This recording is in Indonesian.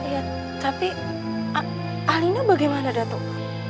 ya tapi alina bagaimana datuk